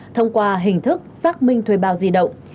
thông qua hình thức xác minh thuê bao di động